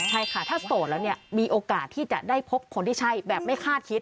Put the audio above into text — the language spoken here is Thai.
ใช่ค่ะถ้าโสดแล้วเนี่ยมีโอกาสที่จะได้พบคนที่ใช่แบบไม่คาดคิด